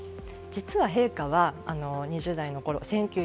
実は陛下は２０代のころ